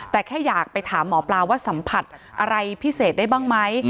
แต่แค่อยากไปถามหมอปลาว่าสัมผัสอะไรพิเศษได้บ้างไหม